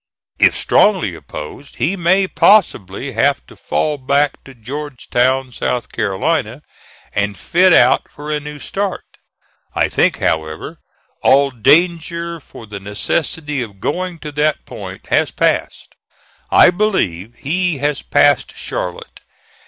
If strongly opposed, he may possibly have to fall back to Georgetown, S. C., and fit out for a new start. I think, however, all danger for the necessity of going to that point has passed. I believe he has passed Charlotte.